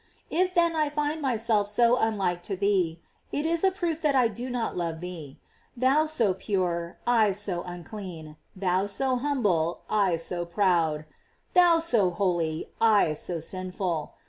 * If then I find myself so unlike to thee, it is a proof that I do not love thee. Thou so pure, I so unclean; thou so hum ble, I so proud; thou so holy, I so sinful.